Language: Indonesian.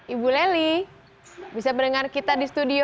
ibu leli bisa mendengar kita di studio